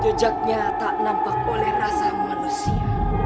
jejaknya tak nampak oleh rasa manusia